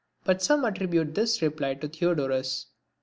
but some attribute this reply to Theodorus.